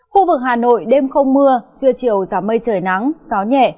khu vực hà nội đêm không mưa trưa chiều giảm mây trời nắng gió nhẹ